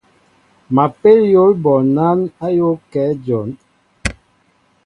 Ma pél yǒl ɓɔwnanjɛn ayōōakɛ dyon.